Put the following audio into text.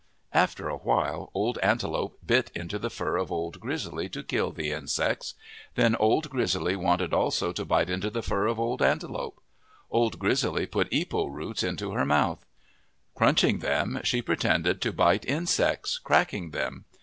After a while Old Antelope bit into the fur of Old Grizzly to kill the insects. Then Old Grizzly wanted also to bite into the fur of Old Antelope. Old Grizzly put ipo roots into her mouth. Crunch ing them, she pretended to bite insects, cracking them.